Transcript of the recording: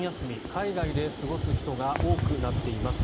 海外で過ごす人が多くなっています。